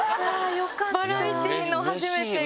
バラエティーの初めてが。